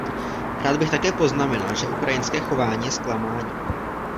Rád bych také poznamenal, že ukrajinské chování je zklamáním.